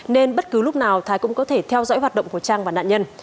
nên bất cứ lúc nào thái cũng có thể theo dõi hoạt động của trang và nạn nhân